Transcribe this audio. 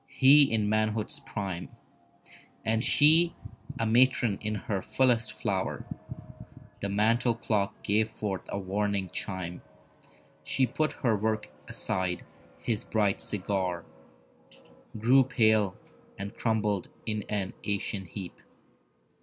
He in manhood's prime And she a matron in her fullest flower. The mantel clock gave forth a warning chime. She put her work aside; his bright cigar Grew pale, and crumbled in an ashen heap.